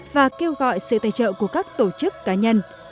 và kêu gọi sự tài trợ của các tổ chức cá nhân